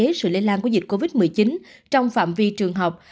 học sinh sẽ giúp hạn chế sự lây lan của dịch covid một mươi chín trong phạm vi trường học